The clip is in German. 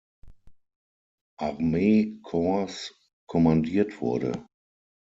Armee-Korps kommandiert wurde.